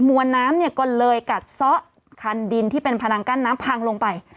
มวลน้ำเนี่ยก็เลยกัดซะคันดินที่เป็นพนังกั้นน้ำพังลงไป